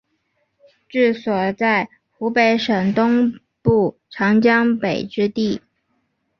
治所在湖北省东部长江北之地。